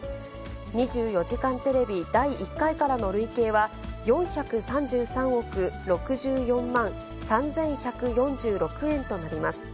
２４時間テレビ第１回からの累計は４３３億６４万３１４６円となります。